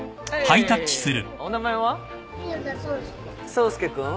宗介君。